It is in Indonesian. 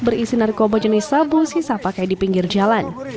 berisi narkoba jenis sabu sisa pakai di pinggir jalan